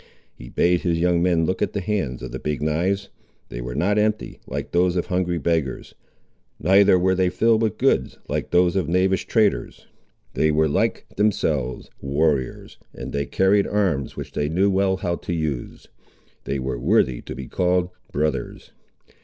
He bade his young men look at the hands of the Big knives. They were not empty, like those of hungry beggars. Neither were they filled with goods, like those of knavish traders. They were, like themselves, warriors, and they carried arms which they knew well how to use—they were worthy to be called brothers!